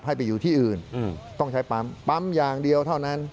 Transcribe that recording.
ให้ไปอยู่ที่อื่นต้องใช้ปั๊มปั๊มอย่างเดียวเท่านั้น